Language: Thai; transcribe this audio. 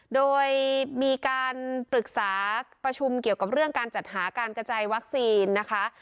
โดยมีการปรึกษาประชุมเกี่ยวกับเรื่องการจัดหาการกระจายวัคซีนนะคะ